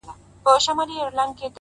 وربــاندي نــه وركوم ځــان مــلــگــرو؛